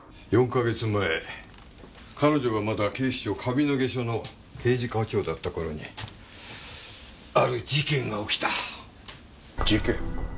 ４か月前彼女がまだ警視庁上野毛署の刑事課長だった頃にある事件が起きた。事件？